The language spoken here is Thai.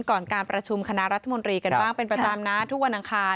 ก่อนการประชุมคณะรัฐมนีเป็นประจำนะทุกวันอ่างคาร